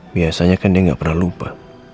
biasanya kan dia nggak pernah lupa